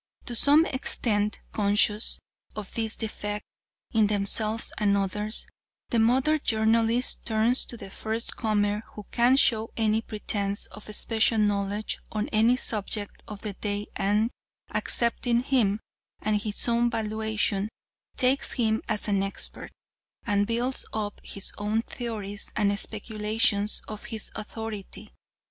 To some extent conscious of this defect in themselves and others, the modern journalist turns to the first comer who can show any pretence of special knowledge on any subject of the day and, accepting him at his own valuation, takes him as an expert and builds up his own theories and speculations on his authority.